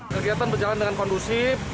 kegiatan berjalan dengan kondusif